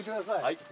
はい！